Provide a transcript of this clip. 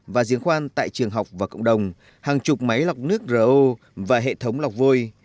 và giếng khoan tại trường học và cộng đồng hàng chục máy lọc nước ro và hệ thống lọc vôi